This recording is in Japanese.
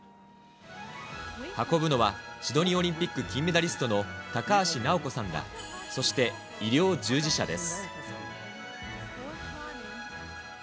運ぶのはシドニーオリンピック金メダリストの高橋尚子さんら、そして医療従事者です。